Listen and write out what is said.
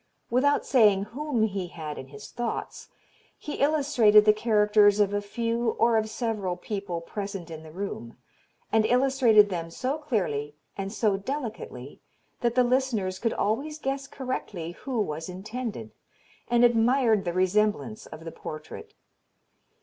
Without saying whom he had in his thoughts, he illustrated the characters of a few or of several people present in the room, and illustrated them so clearly and so delicately that the listeners could always guess correctly who was intended, and admired the resemblance of the portrait.